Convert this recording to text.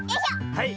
はい。